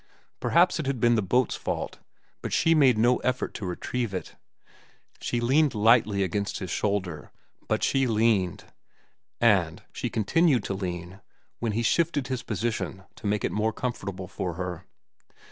Perhaps it had been the boat's fault, but she made no effort to retrieve it. She leaned lightly against his shoulder, but she leaned, and she continued to lean when he shifted his position to make it more comfortable for her.